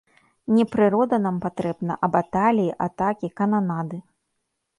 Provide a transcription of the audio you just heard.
Не прырода нам патрэбна, а баталіі, атакі, кананады.